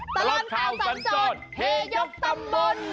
ตลอดข่าวสัญจรเฮยกตำบล